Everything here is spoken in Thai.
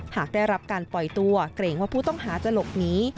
หากได้รับการปล่อยตัวเกรงว่าผู้ต้องหาจะหลบหนี